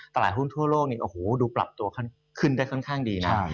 ตลาดภูมิทั่วโลกดูปรับตัวขึ้นได้ค่อนข้างดีนะ